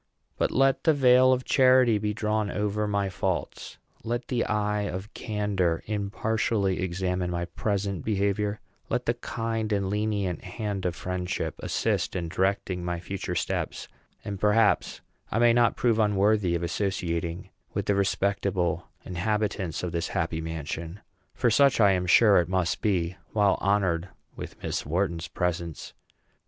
But let the veil of charity be drawn over my faults; let the eye of candor impartially examine my present behavior; let the kind and lenient hand of friendship assist in directing my future steps; and perhaps I may not prove unworthy of associating with the respectable inhabitants of this happy mansion; for such I am sure it must be while honored with Miss Wharton's presence.